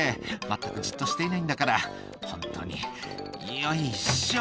「まったくじっとしていないんだからホントに」「よいしょ」